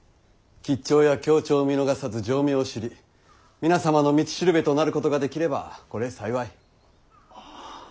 吉兆や凶兆を見逃さず定命を知り皆様の道しるべとなることができればこれ幸い。